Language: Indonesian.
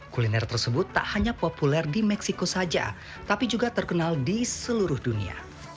kuliner tersebut tak hanya populer di meksiko saja tapi juga terkenal di seluruh dunia